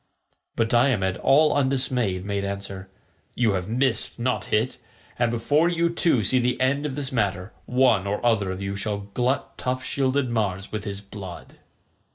But Diomed all undismayed made answer, "You have missed, not hit, and before you two see the end of this matter one or other of you shall glut tough shielded Mars with his blood."